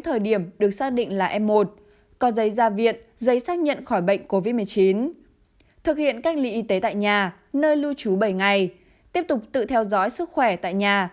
thực hiện cách ly y tế tại nhà nơi lưu trú bảy ngày tiếp tục tự theo dõi sức khỏe tại nhà